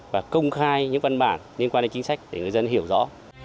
và công khai những văn bản liên quan đến chính sách để người dân hiểu rõ